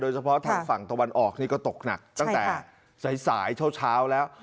เฉพาะทางฝั่งตะวันออกนี่ก็ตกหนักตั้งแต่สายเช้าแล้ว